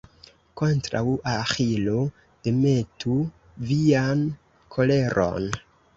Kontraŭ Aĥilo demetu vian koleron.